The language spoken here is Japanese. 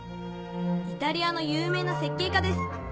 イタリアの有名な設計家です。